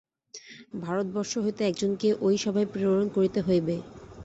ভারতবর্ষ হইতে একজনকে ঐ সভায় প্রেরণ করিতে হইবে।